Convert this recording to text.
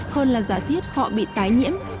hơn là giả thiết họ bị tái nhiễm